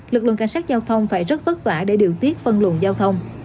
lực lượng cảnh sát giao thông phải rất vất vả để điều tiết phân luận giao thông